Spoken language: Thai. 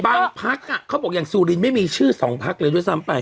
พักเขาบอกอย่างสุรินไม่มีชื่อสองพักเลยด้วยซ้ำไป